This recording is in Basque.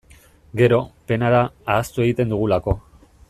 Gero, pena da, ahaztu egiten dugulako.